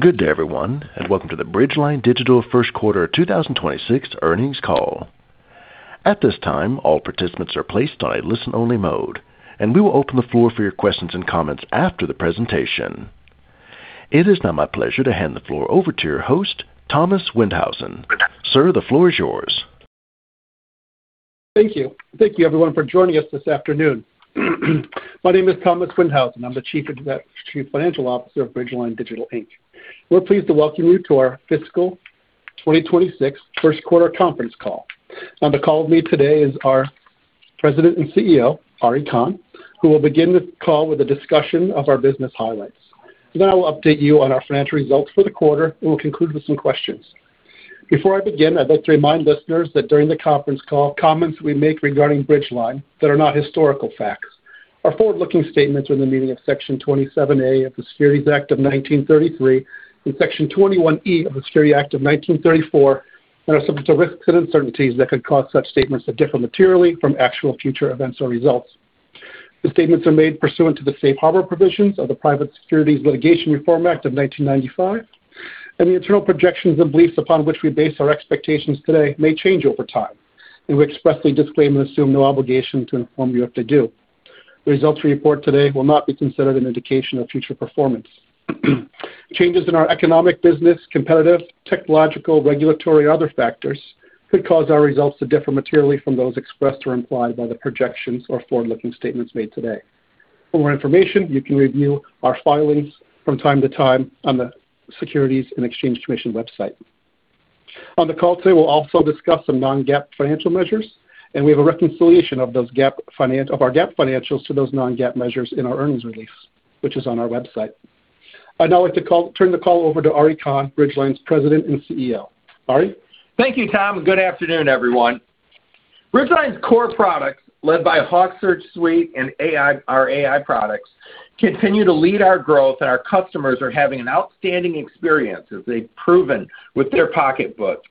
Good day, everyone, and welcome to the Bridgeline Digital First Quarter 2026 earnings call. At this time, all participants are placed on a listen-only mode, and we will open the floor for your questions and comments after the presentation. It is now my pleasure to hand the floor over to your host, Thomas Windhausen. Sir, the floor is yours. Thank you. Thank you everyone for joining us this afternoon. My name is Thomas Windhausen. I'm the Chief Financial Officer of Bridgeline Digital Inc. We're pleased to welcome you to our fiscal 2026 first quarter conference call. On the call with me today is our President and CEO, Ari Kahn, who will begin the call with a discussion of our business highlights. Then I will update you on our financial results for the quarter, and we'll conclude with some questions. Before I begin, I'd like to remind listeners that during the conference call, comments we make regarding Bridgeline that are not historical facts are forward-looking statements within the meaning of Section 27A of the Securities Act of 1933 and Section 21E of the Securities Act of 1934, and are subject to risks and uncertainties that could cause such statements to differ materially from actual future events or results. The statements are made pursuant to the safe harbor provisions of the Private Securities Litigation Reform Act of 1995, and the internal projections and beliefs upon which we base our expectations today may change over time, and we expressly disclaim and assume no obligation to inform you if they do. The results we report today will not be considered an indication of future performance. Changes in our economic, business, competitive, technological, regulatory, and other factors could cause our results to differ materially from those expressed or implied by the projections or forward-looking statements made today. For more information, you can review our filings from time to time on the Securities and Exchange Commission website. On the call today, we'll also discuss some non-GAAP financial measures, and we have a reconciliation of those GAAP financials to those non-GAAP measures in our earnings release, which is on our website. I'd now like to turn the call over to Ari Kahn, Bridgeline's President and CEO. Ari? Thank you, Tom, and good afternoon, everyone. Bridgeline's core products, led by HawkSearch Suite and AI, our AI products, continue to lead our growth, and our customers are having an outstanding experience as they've proven with their pocketbooks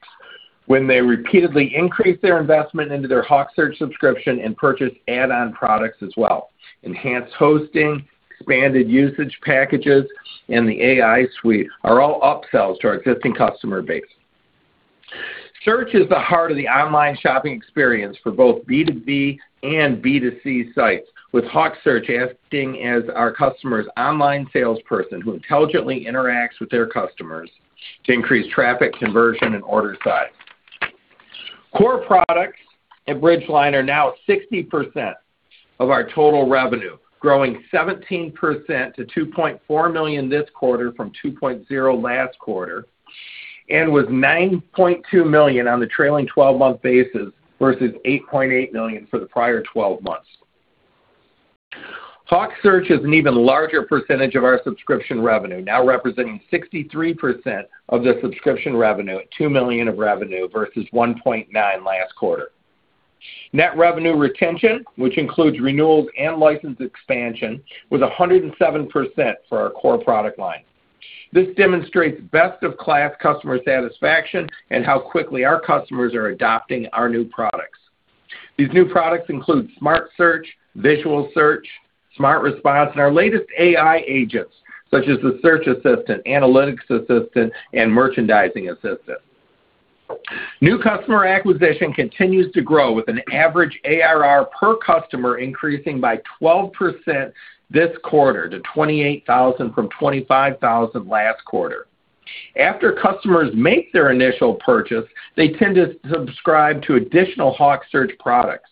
when they repeatedly increase their investment into their HawkSearch subscription and purchase add-on products as well. Enhanced hosting, expanded usage packages, and the AI suite are all upsells to our existing customer base. Search is the heart of the online shopping experience for both B2B and B2C sites, with HawkSearch acting as our customer's online salesperson, who intelligently interacts with their customers to increase traffic, conversion, and order size. Core products at Bridgeline are now 60% of our total revenue, growing 17% to $2.4 million this quarter from $2.0 million last quarter, and with $9.2 million on the trailing twelve-month basis versus $8.8 million for the prior twelve months. HawkSearch is an even larger percentage of our subscription revenue, now representing 63% of the subscription revenue at $2 million of revenue versus $1.9 million last quarter. Net revenue retention, which includes renewals and license expansion, was 107% for our core product line. This demonstrates best-of-class customer satisfaction and how quickly our customers are adopting our new products. These new products include Smart Search, Visual Search, Smart Response, and our latest AI agents, such as the Search Assistant, Analytics Assistant, and Merchandising Assistant. New customer acquisition continues to grow, with an average ARR per customer increasing by 12% this quarter to $28,000 from $25,000 last quarter. After customers make their initial purchase, they tend to subscribe to additional HawkSearch products.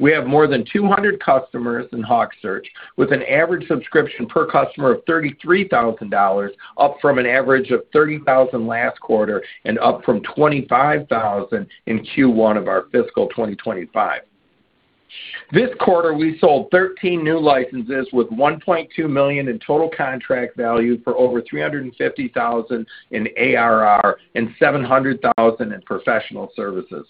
We have more than 200 customers in HawkSearch, with an average subscription per customer of $33,000, up from an average of $30,000 last quarter and up from $25,000 in Q1 of our fiscal 2025. This quarter, we sold 13 new licenses with $1.2 million in total contract value for over $350,000 in ARR and $700,000 in professional services.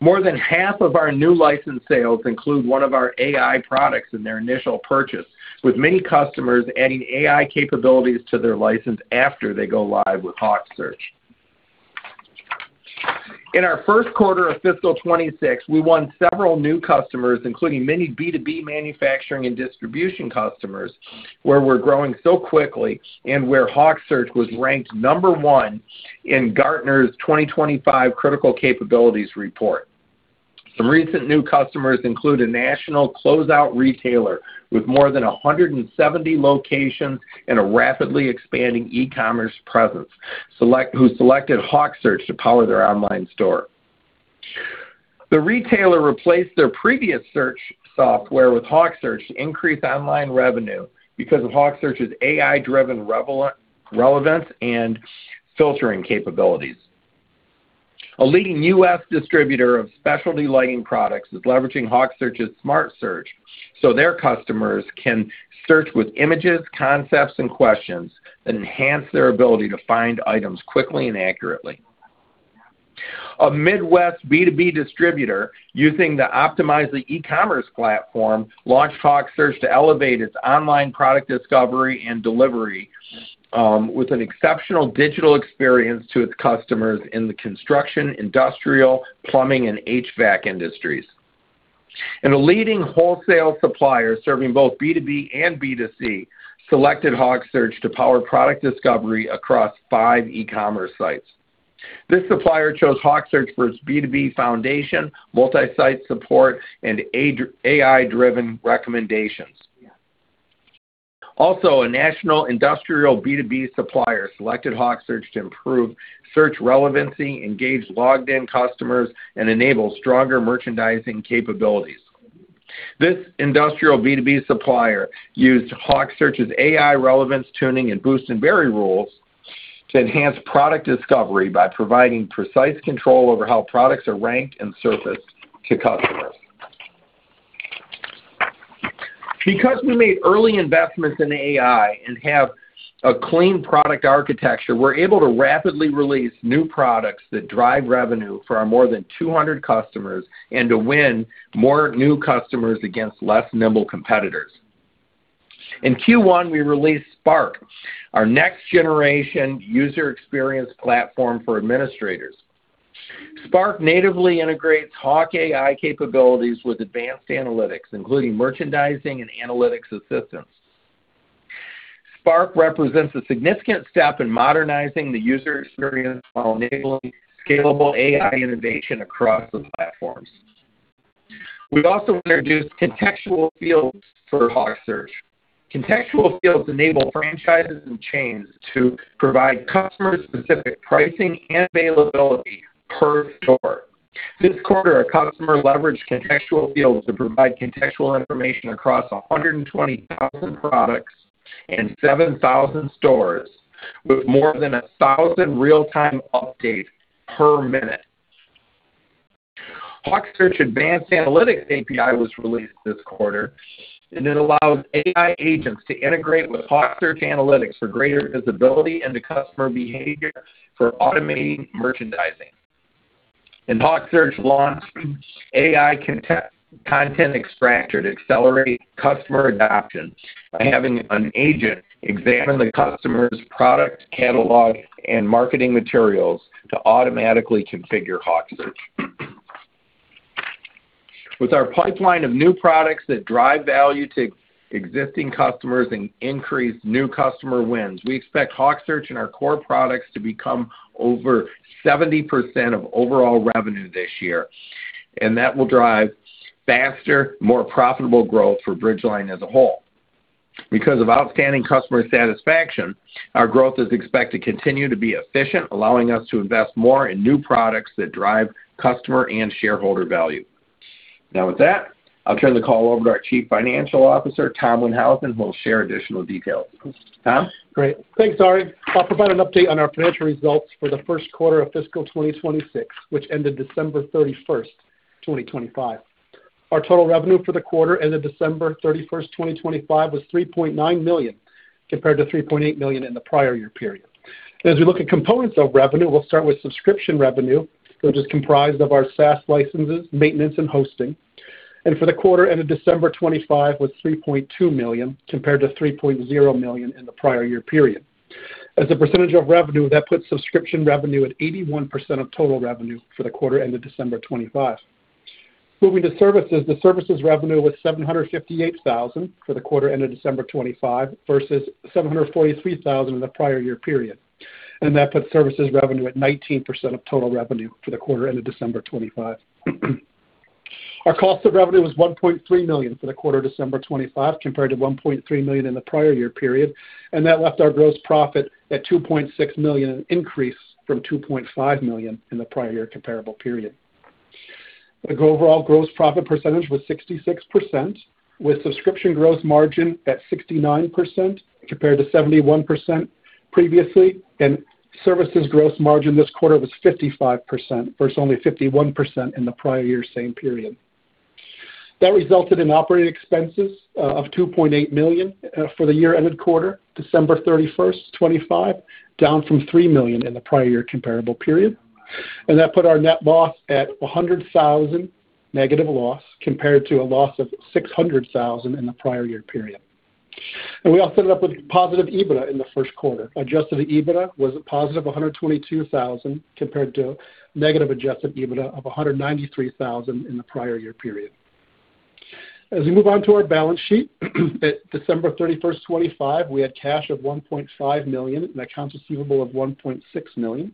More than half of our new license sales include one of our AI products in their initial purchase, with many customers adding AI capabilities to their license after they go live with HawkSearch. In our first quarter of fiscal 2026, we won several new customers, including many B2B manufacturing and distribution customers, where we're growing so quickly and where HawkSearch was ranked number one in Gartner's 2025 Critical Capabilities Report. Some recent new customers include a national closeout retailer with more than 170 locations and a rapidly expanding e-commerce presence, who selected HawkSearch to power their online store. The retailer replaced their previous search software with HawkSearch to increase online revenue because of HawkSearch's AI-driven relevance and filtering capabilities. A leading U.S. distributor of specialty lighting products is leveraging HawkSearch's Smart Search so their customers can search with images, concepts, and questions that enhance their ability to find items quickly and accurately. A Midwest B2B distributor, using the optimized e-commerce platform, launched HawkSearch to elevate its online product discovery and delivery with an exceptional digital experience to its customers in the construction, industrial, plumbing, and HVAC industries. A leading wholesale supplier, serving both B2B and B2C, selected HawkSearch to power product discovery across five e-commerce sites. This supplier chose HawkSearch for its B2B foundation, multi-site support, and AI-driven recommendations. Also, a national industrial B2B supplier selected HawkSearch to improve search relevancy, engage logged-in customers, and enable stronger merchandising capabilities. This industrial B2B supplier used HawkSearch's AI relevance tuning, and boost and bury rules to enhance product discovery by providing precise control over how products are ranked and surfaced to customers. Because we made early investments in AI and have a clean product architecture, we're able to rapidly release new products that drive revenue for our more than 200 customers and to win more new customers against less nimble competitors. In Q1, we released Spark, our next generation user experience platform for administrators. Spark natively integrates Hawk AI capabilities with advanced analytics, including merchandising and analytics assistance. Spark represents a significant step in modernizing the user experience while enabling scalable AI innovation across the platforms. We've also introduced Contextual Fields for HawkSearch. Contextual Fields enable franchises and chains to provide customer-specific pricing and availability per store. This quarter, our customer leveraged Contextual Fields to provide contextual information across 120,000 products and 7,000 stores, with more than 1,000 real-time updates per minute. HawkSearch Advanced Analytics API was released this quarter, and it allows AI agents to integrate with HawkSearch Analytics for greater visibility into customer behavior for automating merchandising. HawkSearch launched AI Content Extractor to accelerate customer adoption by having an agent examine the customer's product catalog and marketing materials to automatically configure HawkSearch. With our pipeline of new products that drive value to existing customers and increase new customer wins, we expect HawkSearch and our core products to become over 70% of overall revenue this year, and that will drive faster, more profitable growth for Bridgeline as a whole. Because of outstanding customer satisfaction, our growth is expected to continue to be efficient, allowing us to invest more in new products that drive customer and shareholder value. Now, with that, I'll turn the call over to our Chief Financial Officer, Tom Windhausen, who will share additional details. Tom? Great. Thanks, Ari. I'll provide an update on our financial results for the first quarter of fiscal 2026, which ended 31st December 2025. Our total revenue for the quarter, ended 31st December 2025, was $3.9 million, compared to $3.8 million in the prior year period. As we look at components of revenue, we'll start with subscription revenue, which is comprised of our SaaS licenses, maintenance, and hosting, and for the quarter ended December 2025 was $3.2 million, compared to $3.0 million in the prior year period. As a percentage of revenue, that puts subscription revenue at 81% of total revenue for the quarter ended December 2025. Moving to services, the services revenue was $758,000 for the quarter ended December 2025, versus $743,000 in the prior year period. That puts services revenue at 19% of total revenue for the quarter ended December 2025. Our cost of revenue was $1.3 million for the quarter, December 2025, compared to $1.3 million in the prior year period, and that left our gross profit at $2.6 million, an increase from $2.5 million in the prior year comparable period. The overall gross profit percentage was 66%, with subscription gross margin at 69%, compared to 71% previously, and services gross margin this quarter was 55%, versus only 51% in the prior year same period. That resulted in operating expenses of $2.8 million for the year-ended quarter, 31st December 2025, down from $3 million in the prior year comparable period. That put our net loss at $100,000 negative loss, compared to a loss of $600,000 in the prior year period. We all ended up with positive EBITDA in the first quarter. Adjusted EBITDA was a positive $122,000, compared to negative adjusted EBITDA of $193,000 in the prior year period. As we move on to our balance sheet, at 31st December 2025, we had cash of $1.5 million and accounts receivable of $1.6 million,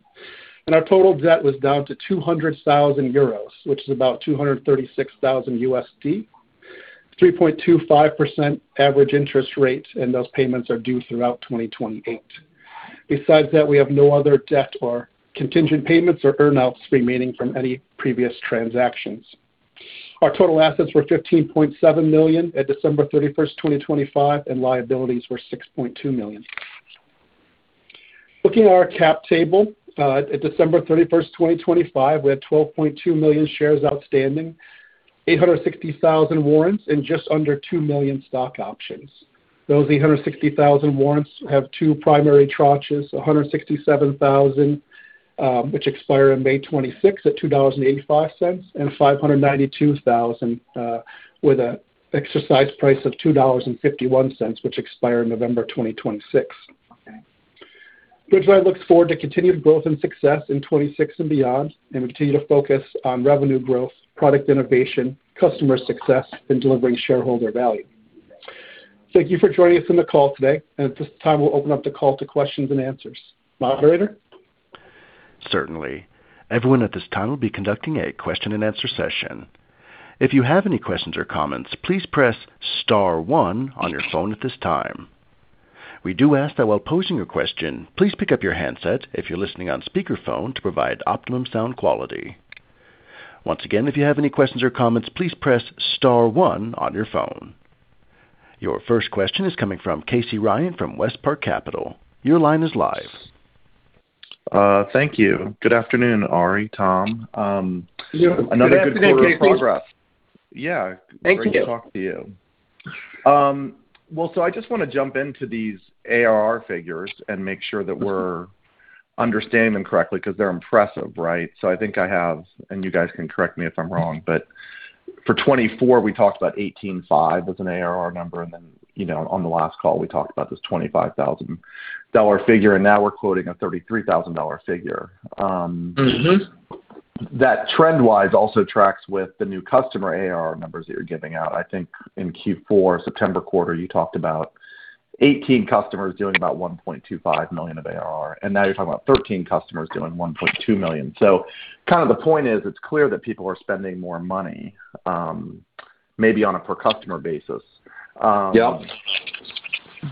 and our total debt was down to 200,000 euros, which is about $236,000, 3.25% average interest rate, and those payments are due throughout 2028. Besides that, we have no other debt or contingent payments or earnouts remaining from any previous transactions. Our total assets were $15.7 million at 31st December 2025, and liabilities were $6.2 million. Looking at our cap table, at 31st December 2025, we had 12.2 million shares outstanding, 860,000 warrants, and just under 2 million stock options. Those 860,000 warrants have two primary tranches, 167,000, which expire on 26th May at $2.85, and 592,000, with an exercise price of $2.51, which expire in November 2026.... Bridgeline looks forward to continued growth and success in 2026 and beyond, and we continue to focus on revenue growth, product innovation, customer success, and delivering shareholder value. Thank you for joining us on the call today, and at this time, we'll open up the call to questions and answers. Moderator? Certainly. Everyone at this time will be conducting a question-and-answer session. If you have any questions or comments, please press star one on your phone at this time. We do ask that while posing your question, please pick up your handset if you're listening on speakerphone to provide optimum sound quality. Once again, if you have any questions or comments, please press star one on your phone. Your first question is coming from Casey Ryan from WestPark Capital. Your line is live. Thank you. Good afternoon, Ari, Tom. Another good quarter of progress. Good afternoon, Casey. Yeah. Thank you. Great to talk to you. Well, so I just want to jump into these ARR figures and make sure that we're understanding them correctly, 'cause they're impressive, right? So I think I have, and you guys can correct me if I'm wrong, but for 2024, we talked about 18.5 as an ARR number, and then, you know, on the last call, we talked about this $25,000 figure, and now we're quoting a $33,000 figure. Mm-hmm. That trend-wise also tracks with the new customer ARR numbers that you're giving out. I think in Q4, September quarter, you talked about 18 customers doing about $1.25 million of ARR, and now you're talking about 13 customers doing $1.2 million. So kind of the point is, it's clear that people are spending more money, maybe on a per customer basis. Yep.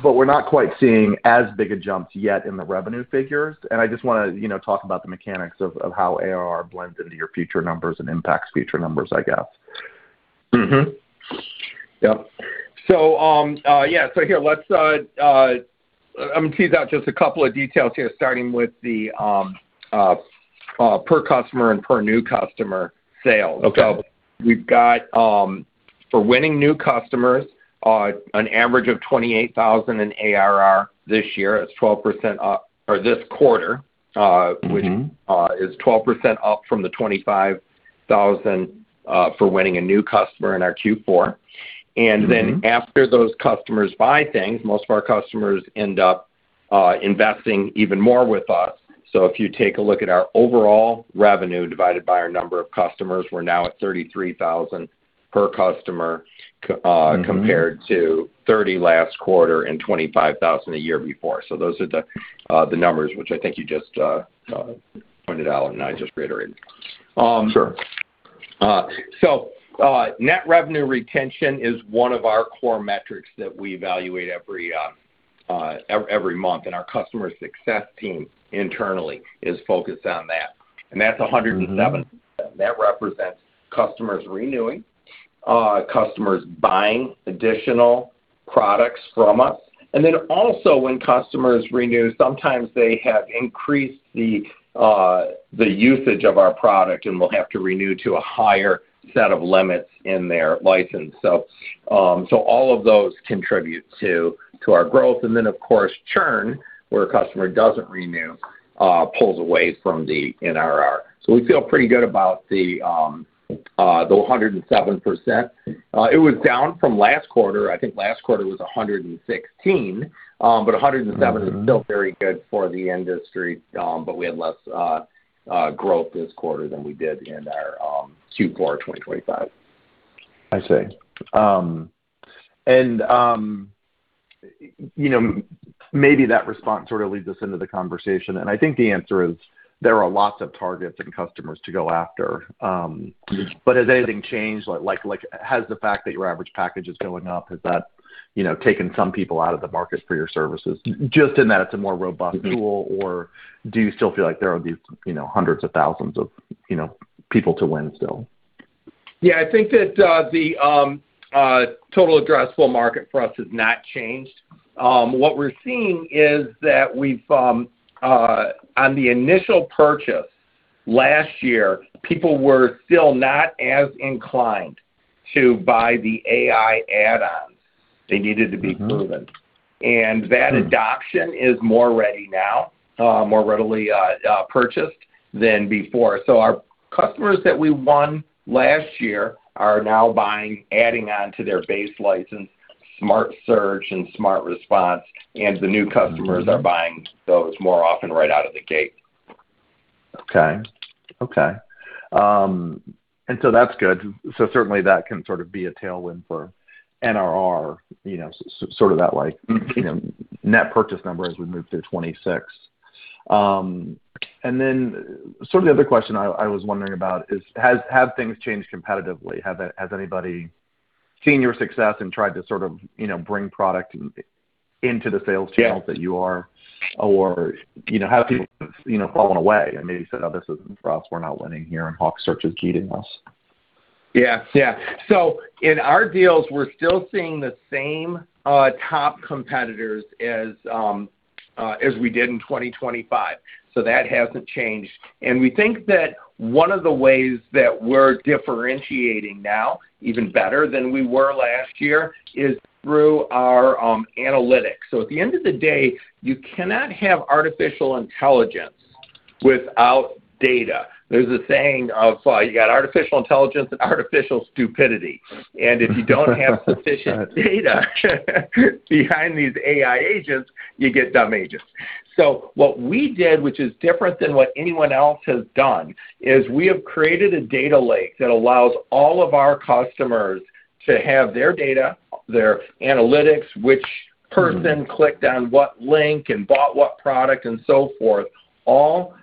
But we're not quite seeing as big a jump yet in the revenue figures, and I just wanna, you know, talk about the mechanics of how ARR blends into your future numbers and impacts future numbers, I guess. Mm-hmm. Yep. So here, let's, I'm gonna tease out just a couple of details here, starting with the per customer and per new customer sales. Okay. We've got, for winning new customers, an average of $28,000 in ARR this year. It's 12% up, or this quarter. Mm-hmm... which is 12% up from the $25,000 for winning a new customer in our Q4. Mm-hmm. And then after those customers buy things, most of our customers end up investing even more with us. So if you take a look at our overall revenue divided by our number of customers, we're now at $33,000 per customer. Mm-hmm... compared to 30 last quarter and 25,000 a year before. So those are the numbers, which I think you just pointed out, and I just reiterated. Sure. Net Revenue Retention is one of our core metrics that we evaluate every month, and our customer success team internally is focused on that. That's 107. Mm-hmm. That represents customers renewing, customers buying additional products from us, and then also when customers renew, sometimes they have increased the, the usage of our product and will have to renew to a higher set of limits in their license. So, so all of those contribute to, to our growth, and then, of course, churn, where a customer doesn't renew, pulls away from the NRR. So we feel pretty good about the, the 107%. It was down from last quarter. I think last quarter was 116, but 107- Mm-hmm... is still very good for the industry, but we had less growth this quarter than we did in our Q4 2025. I see. You know, maybe that response sort of leads us into the conversation, and I think the answer is there are lots of targets and customers to go after. But has anything changed? Like, has the fact that your average package is going up, has that, you know, taken some people out of the market for your services, just in that it's a more robust tool, or do you still feel like there are these, you know, hundreds of thousands of, you know, people to win still? Yeah, I think that the total addressable market for us has not changed. What we're seeing is that we've on the initial purchase last year, people were still not as inclined to buy the AI add-ons. Mm-hmm. They needed to be proven. Mm. And that adoption is more ready now, more readily, purchased than before. So our customers that we won last year are now buying, adding on to their base license, Smart Search and Smart Response, and the new customers- Mm-hmm... are buying those more often right out of the gate. Okay. Okay. And so that's good. So certainly, that can sort of be a tailwind for NRR, you know, sort of that, like, you know, net purchase number as we move through 2026. And then sort of the other question I was wondering about is, have things changed competitively? Has anybody seen your success and tried to sort of, you know, bring product into the sales channel- Yeah... that you are? Or, you know, have people, you know, fallen away and maybe said, "Oh, this isn't for us, we're not winning here, and HawkSearch is cheating us? Yeah, yeah. So in our deals, we're still seeing the same top competitors as we did in 2025. So that hasn't changed. And we think that one of the ways that we're differentiating now, even better than we were last year, is through our analytics. So at the end of the day, you cannot have artificial intelligence without data. There's a saying of you got artificial intelligence and artificial stupidity. And if you don't have sufficient data behind these AI agents, you get dumb agents. So what we did, which is different than what anyone else has done, is we have created a data lake that allows all of our customers to have their data, their analytics, which person- Mm-hmm -clicked on what link and bought what product, and so forth, all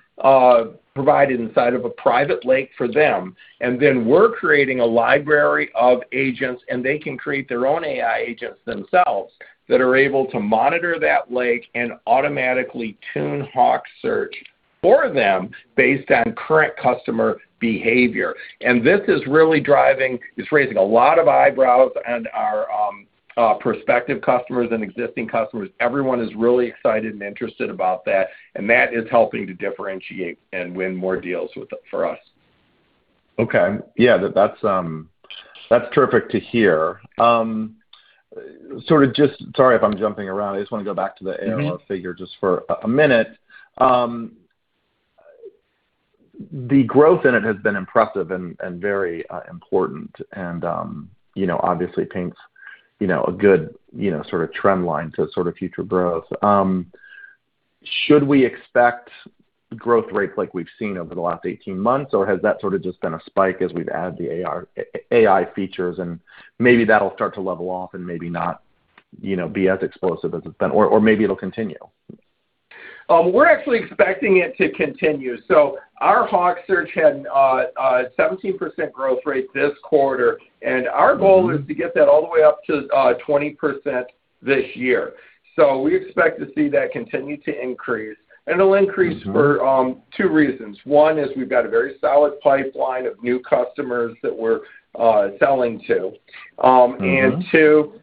provided inside of a private lake for them. And then we're creating a library of agents, and they can create their own AI agents themselves, that are able to monitor that lake and automatically tune HawkSearch for them based on current customer behavior. And this is really driving... It's raising a lot of eyebrows and our prospective customers and existing customers, everyone is really excited and interested about that, and that is helping to differentiate and win more deals with, for us. Okay. Yeah, that, that's terrific to hear. Sort of just... Sorry, if I'm jumping around. I just wanna go back to the AR figure- Mm-hmm Just for a minute. The growth in it has been impressive and very important, and you know, obviously paints, you know, a good, you know, sort of trend line to sort of future growth. Should we expect growth rates like we've seen over the last 18 months, or has that sort of just been a spike as we've added the ARR AI features, and maybe that'll start to level off and maybe not, you know, be as explosive as it's been, or maybe it'll continue? We're actually expecting it to continue. So our HawkSearch had a 17% growth rate this quarter, and our goal- Mm-hmm -is to get that all the way up to, 20% this year. So we expect to see that continue to increase, and it'll increase- Mm-hmm for two reasons. One is we've got a very solid pipeline of new customers that we're selling to. Mm-hmm. And two,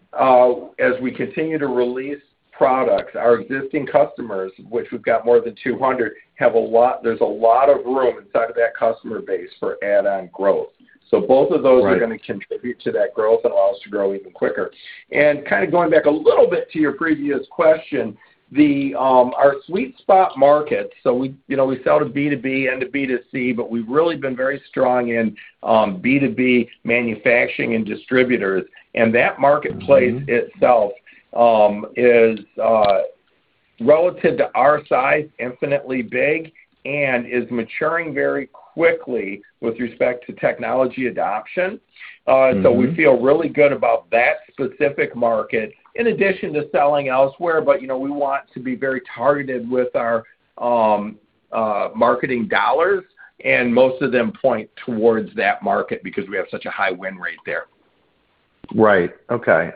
as we continue to release products, our existing customers, which we've got more than 200, have a lot, there's a lot of room inside of that customer base for add-on growth. So both of those- Right are gonna contribute to that growth and allow us to grow even quicker. And kind of going back a little bit to your previous question, the our sweet spot market, so we, you know, we sell to B2B and to B2C, but we've really been very strong in B2B manufacturing and distributors. And that marketplace- Mm-hmm -itself is relative to our size, infinitely big and is maturing very quickly with respect to technology adoption. Mm-hmm. So we feel really good about that specific market in addition to selling elsewhere, but, you know, we want to be very targeted with our marketing dollars, and most of them point towards that market because we have such a high win rate there. Right. Okay.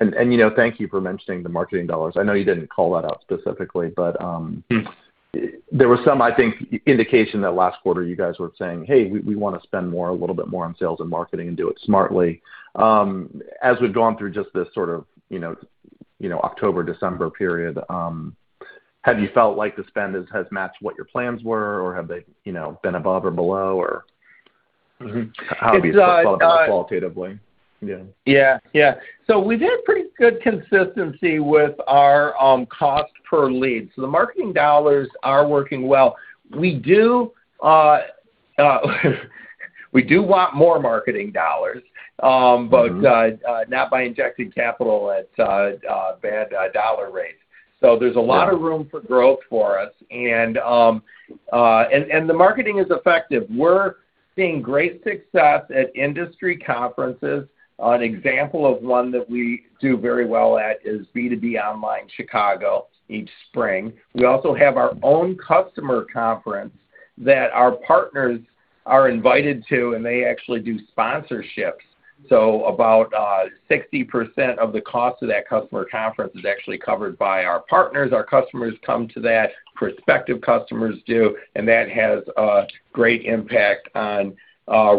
And, you know, thank you for mentioning the marketing dollars. I know you didn't call that out specifically, but, Mm... there was some, I think, indication that last quarter you guys were saying, "Hey, we wanna spend more, a little bit more on sales and marketing and do it smartly." As we've gone through just this sort of, you know, October, December period, have you felt like the spend has matched what your plans were, or have they, you know, been above or below, or- Mm-hmm. It's How do you feel about that qualitatively? Yeah. Yeah, yeah. So we did pretty good consistency with our cost per lead. So the marketing dollars are working well. We do want more marketing dollars. Mm-hmm... but not by injecting capital at bad dollar rates. Yeah. So there's a lot of room for growth for us. The marketing is effective. We're seeing great success at industry conferences. An example of one that we do very well at is B2B Online Chicago, each spring. We also have our own customer conference that our partners are invited to, and they actually do sponsorships. So about 60% of the cost of that customer conference is actually covered by our partners. Our customers come to that, prospective customers do, and that has a great impact on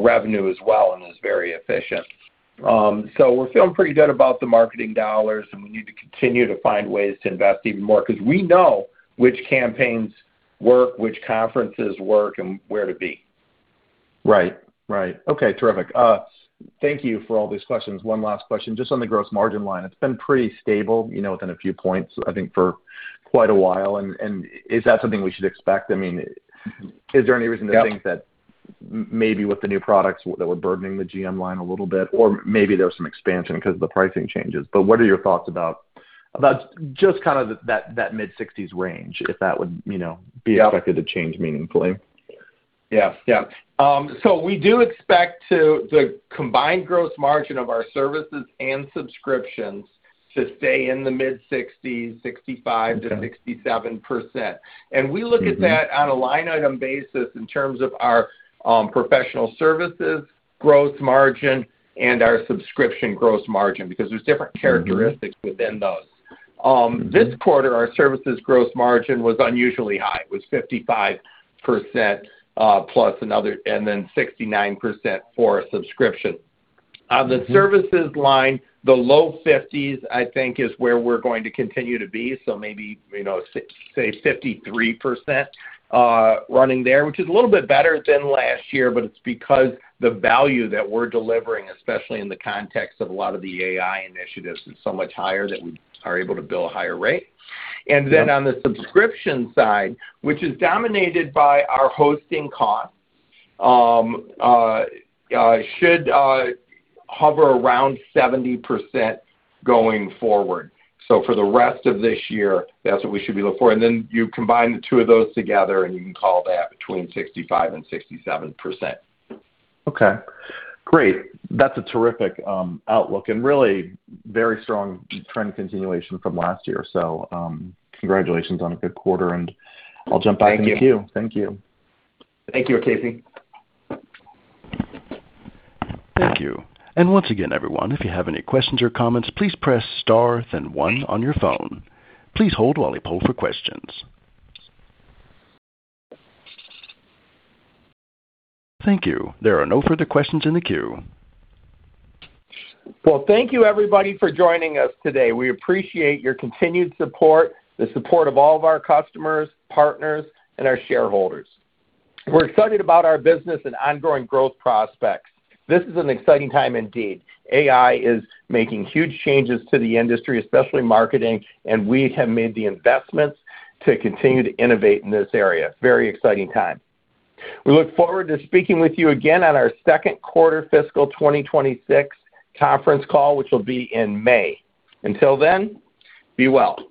revenue as well and is very efficient. So we're feeling pretty good about the marketing dollars, and we need to continue to find ways to invest even more because we know which campaigns work, which conferences work, and where to be. Right. Right. Okay, terrific. Thank you for all these questions. One last question, just on the gross margin line. It's been pretty stable, you know, within a few points, I think, for quite a while. And is that something we should expect? I mean, is there any reason- Yep -to think that maybe with the new products that we're burdening the GM line a little bit, or maybe there's some expansion because of the pricing changes. But what are your thoughts about just kind of that mid-sixties range, if that would, you know- Yeah Be expected to change meaningfully? Yeah. Yeah. So we do expect to... The combined gross margin of our services and subscriptions to stay in the mid 60s, 65%-67%. Mm-hmm. We look at that on a line item basis in terms of our professional services growth margin, and our subscription growth margin, because there's different characteristics- Mm-hmm -within those. Mm-hmm. This quarter, our services growth margin was unusually high. It was 55%, plus another, and then 69% for subscription. Mm-hmm. On the services line, the low 50s, I think, is where we're going to continue to be. So maybe, you know, six- say 53%, running there, which is a little bit better than last year, but it's because the value that we're delivering, especially in the context of a lot of the AI initiatives, is so much higher that we are able to bill a higher rate. Yep. And then on the subscription side, which is dominated by our hosting costs, should hover around 70% going forward. So for the rest of this year, that's what we should be looking for. And then you combine the two of those together, and you can call that between 65%-67%. Okay, great. That's a terrific outlook and really very strong trend continuation from last year. So, congratulations on a good quarter, and I'll jump back in the queue. Thank you. Thank you. Thank you, Casey. Thank you. Once again, everyone, if you have any questions or comments, please press star, then one on your phone. Please hold while we poll for questions. Thank you. There are no further questions in the queue. Well, thank you, everybody, for joining us today. We appreciate your continued support, the support of all of our customers, partners, and our shareholders. We're excited about our business and ongoing growth prospects. This is an exciting time indeed. AI is making huge changes to the industry, especially marketing, and we have made the investments to continue to innovate in this area. Very exciting time. We look forward to speaking with you again on our second quarter fiscal 2026 conference call, which will be in May. Until then, be well.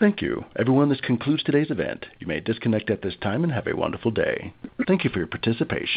Thank you. Everyone, this concludes today's event. You may disconnect at this time and have a wonderful day. Thank you for your participation.